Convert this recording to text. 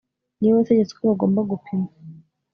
ni we wategetse uko bagomba gupima